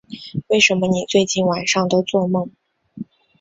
为什么你最近晚上都作梦